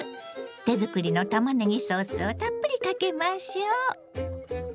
手作りのたまねぎソースをたっぷりかけましょ。